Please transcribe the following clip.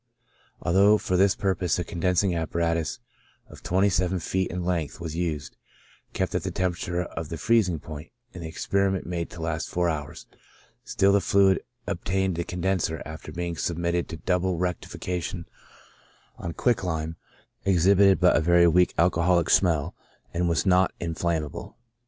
Although for this purpose a condensing apparatus of twenty seven feet in length was used, kept at the temperature of the freezing point, and the experiment made to last four hours, still the fluid obtained in the con denser, after being submitted to double rectification on quicklime, exhibited but a very weak alcoholic smell, and was not inflammable.